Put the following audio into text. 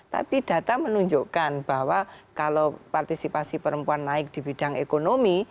tapi data menunjukkan bahwa kalau partisipasi perempuan naik di bidang ekonomi